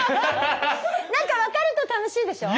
なんか分かると楽しいでしょ？